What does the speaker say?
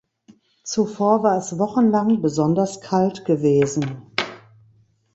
Zuvor war es wochenlang besonders kalt gewesen.